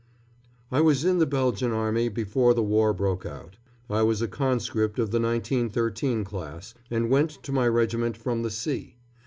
] I was in the Belgian Army before the war broke out. I was a conscript of the 1913 class, and went to my regiment from the sea.